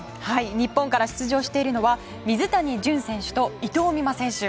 日本から出場しているのは水谷隼選手と伊藤美誠選手。